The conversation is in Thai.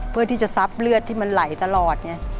เพื่อที่จะซับเลือดที่มันไหลตลอดไง